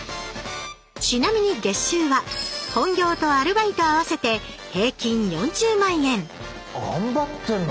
ちなみに月収は本業とアルバイト合わせて平均４０万円頑張ってるな。